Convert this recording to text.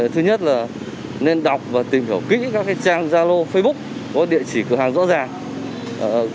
thứ nhất là nên đọc và tìm hiểu kỹ các trang gia lô facebook có địa chỉ cửa hàng rõ ràng